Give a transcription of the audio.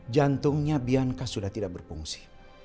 jantungnya bianca sudah tidak berfungsi